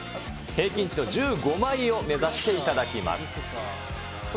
平均値の１５枚を目指していただきます。